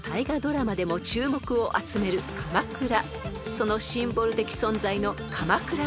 ［そのシンボル的存在の］